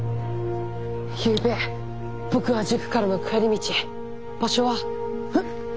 ゆうべ僕は塾からの帰り道場所はふっ！